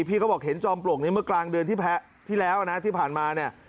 พี่เขาบอกเห็นจอมปลวกนี้เมื่อกลางเดือนที่แพ้ที่แล้วนะที่ผ่านมาเนี่ย